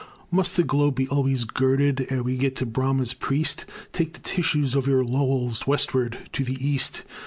Must the globe be always girded Ere we get to Bramah's priest? Take the tissues of your Lowells Westward to the East.